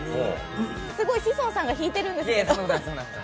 すごい志尊さんがひいてるんですけど。